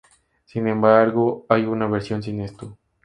Sin embargo, hay una versión sin esto.